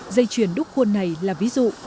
dây chuyển đúc khuôn này là ví dụ